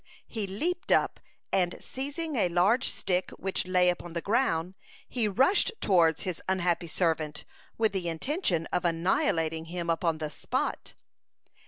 He leaped up, and seizing a large stick which lay upon the ground, he rushed towards his unhappy servant, with the intention of annihilating him upon the spot.